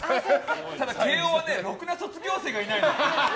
ただ、慶應はろくな卒業生がいないの。